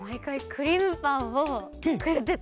クリームパンをくれてた。